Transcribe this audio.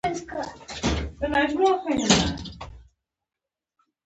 دا ځمکه يې له سپين پوستو پرته نورو ته ورکړې وه.